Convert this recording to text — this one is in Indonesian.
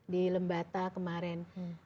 di lembata kemarin